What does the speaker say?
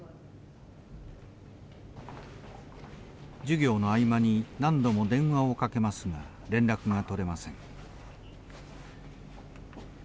授業の合間に何度も電話をかけますが連絡が取れません。